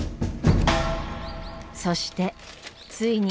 そしてついに。